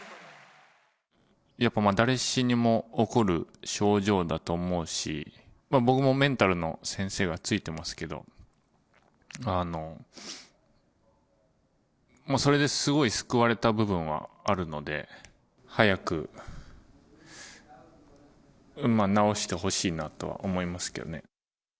やっぱ誰しにも起こる症状だと思うし、僕もメンタルの先生はついてますけど、それですごい救われた部分はあるので、早く治してほしいなとは思いますけどね。